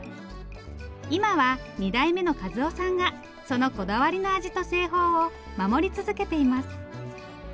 今は２代目の和男さんがそのこだわりの味と製法を守り続けています。